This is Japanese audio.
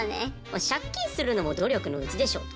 借金するのも努力のうちでしょと。